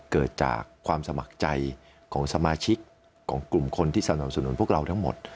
เกิดจากความสมัครใจของสมาชิกของกลุ่มคนที่สนับสนุนพวกเราทั้งหมด